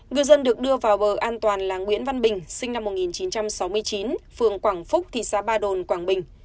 ngư dân được đưa vào bờ an toàn là nguyễn văn bình sinh năm một nghìn chín trăm sáu mươi chín phường quảng phúc thị xã ba đồn quảng bình